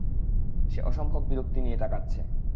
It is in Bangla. সে অসম্ভব বিরক্তি নিয়ে তাকাচ্ছে।